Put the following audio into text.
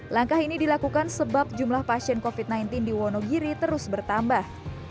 langkah ini dilakukan sebab jumlah pasien covid sembilan belas di wonogiri terus bertambah